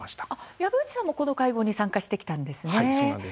籔内さんも、この会合に参加してきたんですね。